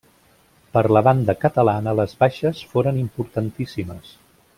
Per la banda catalana les baixes foren importantíssimes.